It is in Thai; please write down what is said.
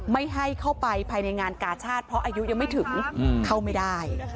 ไม่ให้เข้าไปภายในงานกาชาติเพราะอายุยังไม่ถึงเข้าไม่ได้